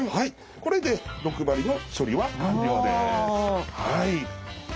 これで毒針の処理は完了です。